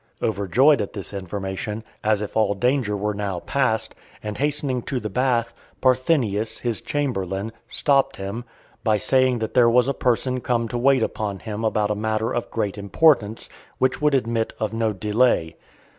Overjoyed at this information; as if all danger were now passed, and hastening to the bath, Parthenius, his chamberlain, stopped him, by saying that there was a person come to wait upon him about a matter of great importance, which would admit of no delay.